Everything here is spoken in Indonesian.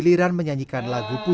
saya sudah bisa membantumu